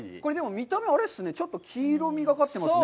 見た目、ちょっと黄色みがかってますね。